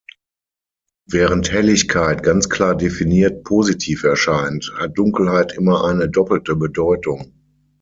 Während Helligkeit ganz klar definiert positiv erscheint, hat Dunkelheit immer eine doppelte Bedeutung.